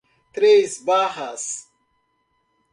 Três Barras